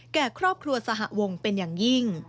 แก่ครอบครัวสหวงเป็นอย่างยิ่ง